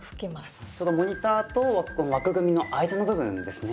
そのモニターと枠組みの間の部分ですね。